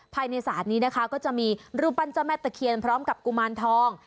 ภายในศาสตร์นี้นะคะก็จะมีรูปปั้นเจ้าแม่ตะเคียนพร้อมกับกุมารทอง